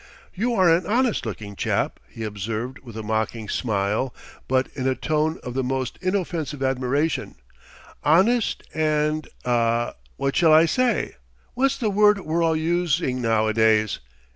"You are an honest looking chap," he observed with a mocking smile but in a tone of the most inoffensive admiration "honest and ah what shall I say? what's the word we're all using now a days?